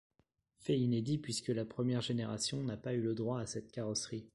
Fait inédit puisque la première génération n'a pas eu le droit à cette carrosserie.